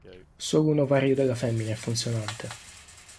Solo un ovario della femmina è funzionante.